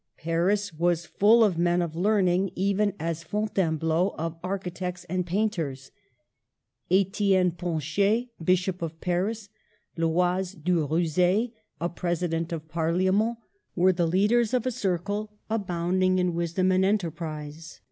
Paris was full of men of THE SORBONNE. 1 35 learning, even as Fontainebleau of architects and painters. Etienne Poncher, Bishop of Paris, Loys de Ruze, a president of ParHament, were the leaders of a circle abounding in wisdom and enterprise.